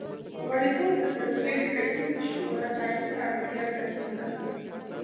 غړیتوب د څلوېښت کسیزې شورا تایید ته اړتیا درلوده.